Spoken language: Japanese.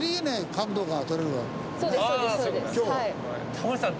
タモリさん